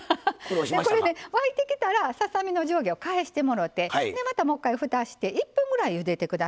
沸いてきたらささ身の上下を返してもろてでまたもう一回ふたして１分ぐらいゆでて下さい。